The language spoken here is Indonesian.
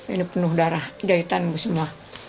ini penuh darah jahitan semua